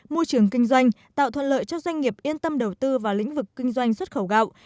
môi trường kinh doanh tạo thuận lợi cho doanh nghiệp yên tâm đầu tư vào lĩnh vực kinh doanh xuất khẩu gạo